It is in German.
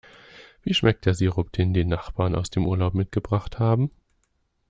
Wie schmeckt der Sirup, den die Nachbarn aus dem Urlaub mitgebracht haben?